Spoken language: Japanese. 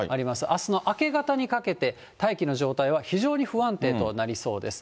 あすの明け方にかけて、大気の状態は非常に不安定となりそうです。